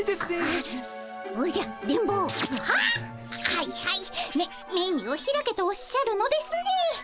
はいはいメメニューを開けとおっしゃるのですね。